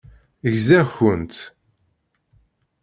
Gziɣ-kent.